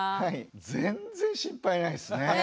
全然心配ないですね。